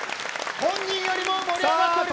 本人よりも盛り上がっております。